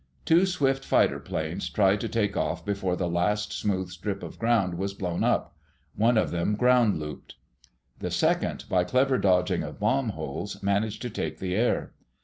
Two swift fighter planes tried to take off before the last smooth strip of ground was blown up. One of them ground looped. The second, by clever dodging of bomb holes, managed to take the air.